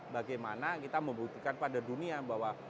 bagaimana kita membuktikan pada dunia bahwa